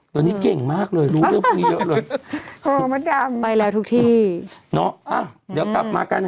ตอนนี้เก่งมากเลยรู้เรื่องภูมิเยอะ